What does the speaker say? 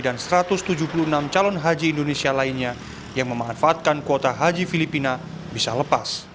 satu ratus tujuh puluh enam calon haji indonesia lainnya yang memanfaatkan kuota haji filipina bisa lepas